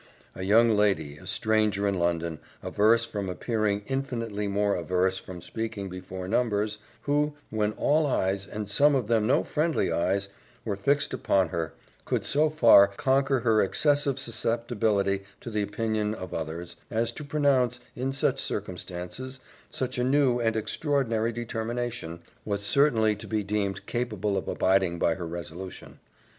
A young lady, a stranger in London, averse from appearing, infinitely more averse from speaking before numbers, who, when all eyes, and some of them no friendly eyes, were fixed upon her, could so far conquer her excessive susceptibility to the opinion of others, as to pronounce, in such circumstances, such a new and extraordinary determination, was certainly to be deemed capable of abiding by her resolution.